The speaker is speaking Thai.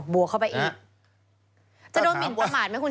อ๋อบัวเข้าไปอีกจะโดนหมินประมาณไหมคุณชุวิต